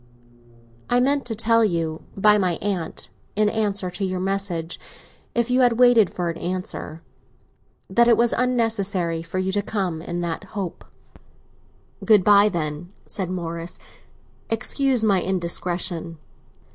"I meant to tell you, by my aunt, in answer to your message—if you had waited for an answer—that it was unnecessary for you to come in that hope." "Good bye, then," said Morris. "Excuse my indiscretion."